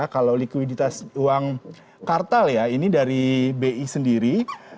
kalau likuiditas uang kartal ya ini dari bi sendiri